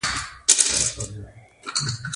رښتیا ویل زړورتیا ده